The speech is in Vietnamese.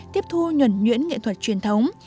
tiếp thu nhuẩn nhuyễn nghệ thuật truyền thống